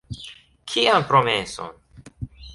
Kian promeson?